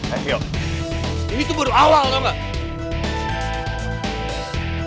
envyo ini tuh baru awal tau gak